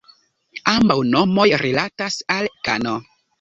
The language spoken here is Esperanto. Ambaŭ nomoj rilatas al "kano".